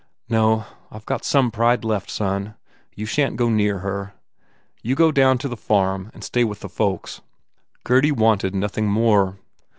"No. I ve got some pride left, son. You shan t go near her. You go down to the farm and stay with the folks." Gurdy wanted nothing more.